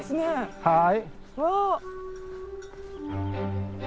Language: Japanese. はい。